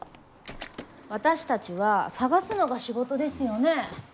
私たちは探すのが仕事ですよね？